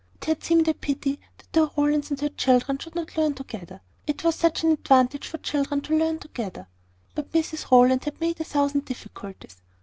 It had seemed a pity that the Rowlands and her children should not learn together: it was such an advantage for children to learn together! But Mrs Rowland had made a thousand difficulties.